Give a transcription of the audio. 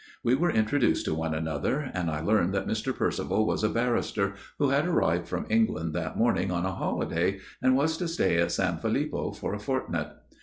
We were introduced to one another ; and I learned that Mr. Percival was a barrister who had arrived from England that morning on a holiday and was to stay at S. Filippo for a fortnight.